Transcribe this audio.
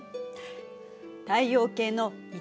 太陽系の一